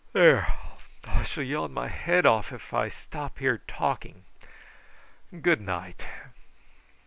There, I shall yawn my head off if I stop here talking. Good night!"